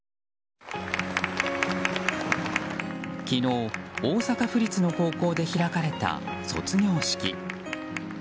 昨日、大阪府立の高校で開かれた卒業式。